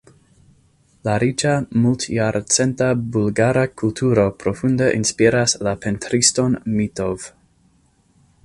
La riĉa multjarcenta bulgara kulturo profunde inspiras la pentriston Mitov.